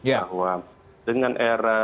bahwa dengan era